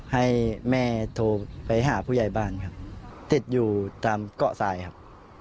ให้แม่โทรไปหาผู้ใหญ่บ้านครับติดอยู่ตามเกาะทรายครับ